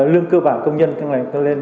lương cơ bản công nhân càng ngày tăng lên